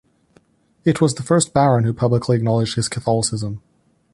It was the first Baron who publicly acknowledged his Catholicism.